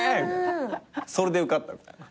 それで受かったみたいな。